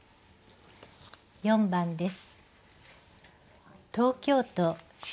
４番です。